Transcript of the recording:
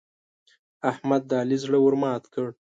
احمد د علي زړه ور مات کړ.